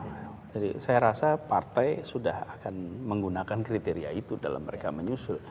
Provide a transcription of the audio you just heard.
jadi saya rasa partai sudah akan menggunakan kriteria itu dalam mereka menyusul